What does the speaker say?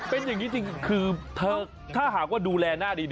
เป็นอย่างนี้จริงคือถ้าหากว่าดูแลหน้าดี